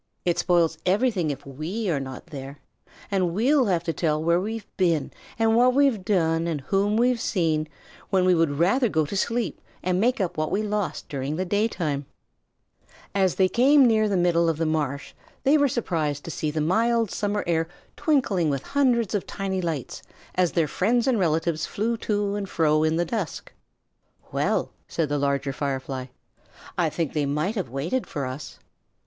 "It spoils everything if we are not there. And we'll have to tell where we've been and what we've done and whom we have seen, when we would rather go to sleep and make up what we lost during the daytime." [Illustration: TWINKLING WITH HUNDREDS OF TINY LIGHTS. Page 157] As they came near the middle of the marsh they were surprised to see the mild summer air twinkling with hundreds of tiny lights as their friends and relatives flew to and fro in the dusk. "Well," said the Larger Firefly, "I think they might have waited for us."